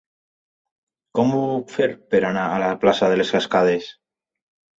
Com ho puc fer per anar a la plaça de les Cascades?